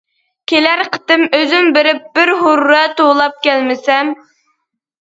كېلەر قېتىم ئۆزۈم بېرىپ بىر ھۇررا توۋلاپ كەلمىسەم!